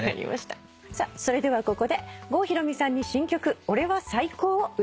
さあそれではここで郷ひろみさんに新曲『俺は最高！！！』を歌っていただきます。